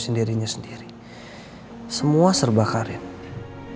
tertembur selama ini